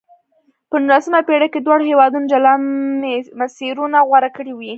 په نولسمه پېړۍ کې دواړو هېوادونو جلا مسیرونه غوره کړې وې.